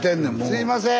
すいません！